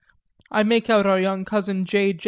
I make out our young cousin J. J.